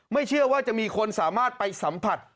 ไม่เชื่อว่าจะมีคนสามารถไปสัมผัส